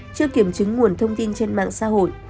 chưa kiểm chứng nguồn thông tin trên mạng xã hội